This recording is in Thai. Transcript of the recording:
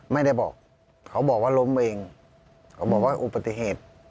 ไม่ได้บอกเขาบอกว่าล้มเองเขาบอกว่าอุบัติเหตุ